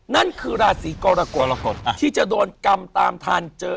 นั่นคือราศีกรกฎที่จะโดนกรรมตามทันเจอ